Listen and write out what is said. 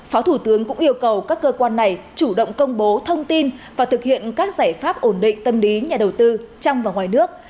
phó thủ tướng cũng yêu cầu các cơ quan này chủ động công bố thông tin và thực hiện các giải pháp ổn định tâm lý nhà đầu tư trong và ngoài nước